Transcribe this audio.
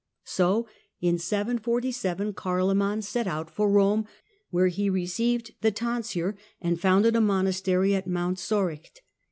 So, in 747, Carloman set out for Eome, where he received the tonsure, and founded a monastery at Mount Soracte.